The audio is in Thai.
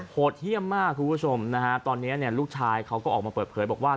โหดเยี่ยมมากคุณผู้ชมนะฮะตอนนี้เนี่ยลูกชายเขาก็ออกมาเปิดเผยบอกว่า